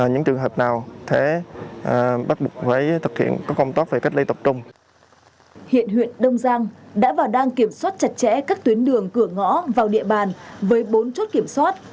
hiện huyện đông giang đã và đang kiểm soát chặt chẽ các tuyến đường cửa ngõ vào địa bàn với bốn chốt kiểm soát